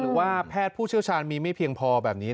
หรือว่าแพทย์ผู้เชี่ยวชาญมีไม่เพียงพอแบบนี้